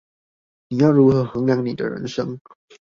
你要如何衡量你的人生